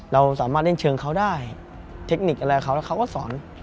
เราสามารถเล่นเชิงเขาได้เทคนิคอะไรเขาแล้วเขาก็สอน